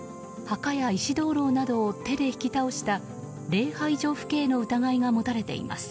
墓や石灯籠などを手で引き倒した礼拝所不敬の疑いが持たれています。